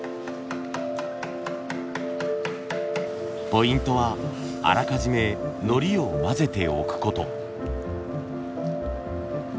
ポイントはあらかじめのりを混ぜておくこと。